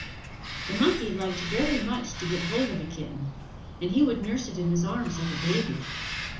The Monkey liked very much to get hold of a kitten and he would nurse it in his arms like a baby.